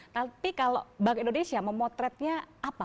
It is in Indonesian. tapi kalau bank indonesia memotretnya apa